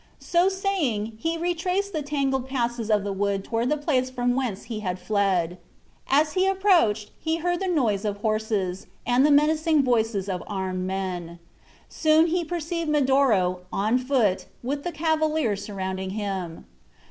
So saying, he retraced the tangled passes of the wood toward the place from whence he had fled. As he approached he heard the noise of horses, and the menacing voices of armed men. Soon he perceived Medoro, on foot, with the cavaliers surrounding him.